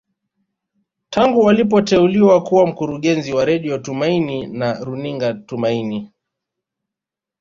Tangu alipoteuliwa kuwa mkurungezi wa Radio Tumaini na runinga Tumaini